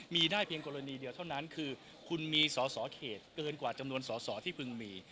มีได้เพียงกรณีเดียวเท่านั้นคือคุณมีสอสอเขตเกินกว่าจำนวนสอสอที่เพิ่งมี